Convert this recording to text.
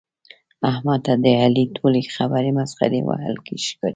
احمد ته د علي ټولې خبرې مسخرې وهل ښکاري.